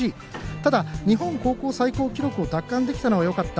ただ、日本高校最高記録を奪還できたのはよかった。